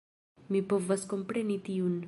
Mi povas kompreni tiun